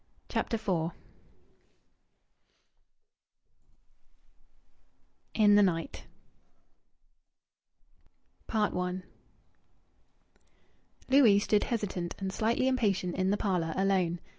CHAPTER IV IN THE NIGHT I Louis stood hesitant and slightly impatient in the parlour, alone.